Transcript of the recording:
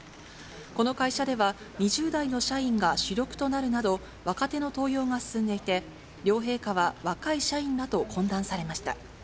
この会社では、２０代の社員が主力となるなど、若手の登用が進んでいて、両陛下は若い社員らと懇談されました。